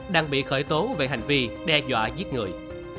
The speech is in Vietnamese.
đang bị khởi tố về hành vi đe dọa giết người